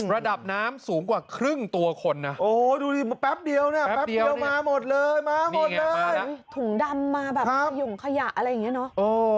ระดับน้ำสูงกว่าครึ่งตัวคนนะโอ้ดูสิมาแป๊บเดียวนะแป๊บเดียวมาหมดเลยมาหมดเลยถุงดำมาแบบขยงขยะอะไรอย่างนี้เนอะ